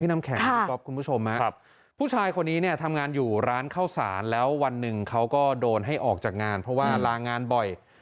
พี่น้ำแขกคุณผู้ชมครับครับผู้ชายคนนี้เนี่ยทำงานอยู่ร้านเข้าสารแล้ววันหนึ่งเขาก็โดนให้ออกจากงานเพราะว่ารางงานบ่อย